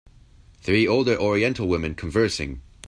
Three older oriental women conversing.